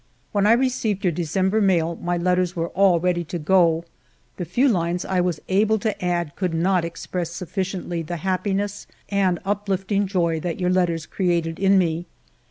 When I received your December mail my letters were all ready to go ; the few lines I was able to add could not express sufficiently the happiness and uplifting joy that your letters cre ated in me.